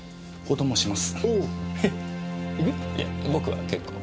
いや僕は結構。